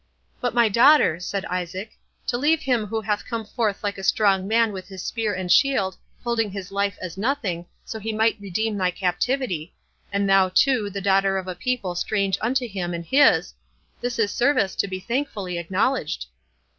"But, my daughter," said Isaac, "to leave him who hath come forth like a strong man with his spear and shield, holding his life as nothing, so he might redeem thy captivity; and thou, too, the daughter of a people strange unto him and his—this is service to be thankfully acknowledged."